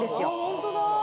ホントだ！